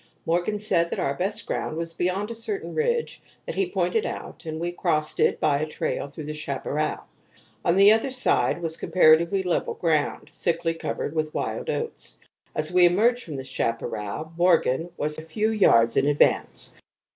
Morgan said that our best ground was beyond a certain ridge that he pointed out, and we crossed it by a trail through the chaparral. On the other side was comparatively level ground, thickly covered with wild oats. As we emerged from the chaparral, Morgan was but a few yards in advance.